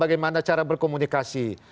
bagaimana cara berkomunikasi